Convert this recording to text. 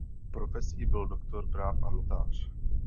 Profesí byl doktor práv a notář.